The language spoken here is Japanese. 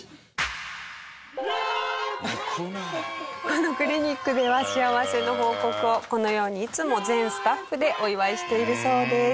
このクリニックでは幸せの報告をこのようにいつも全スタッフでお祝いしているそうです。